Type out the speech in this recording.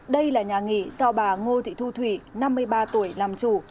đây là nhà nghỉ do bà ngô thị thu thủy năm mươi ba tuổi làm chủ